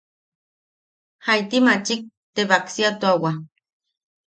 Jaiti maachik te baksiatuawa.